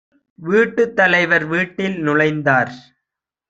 வீட்டுத் தலைவர் வீட்டில் நுழைந்தார்.